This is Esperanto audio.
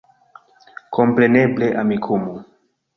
Kompreneble, Amikumu